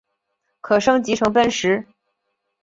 可升级成奔石。